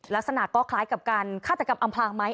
ลักษณะก็คล้ายกับการฆาตกรรมอำพลางไหม